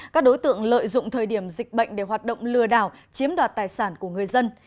các đối tượng lợi dụng thời điểm dịch bệnh để hoạt động lừa đảo chiếm đoạt tài sản của người dân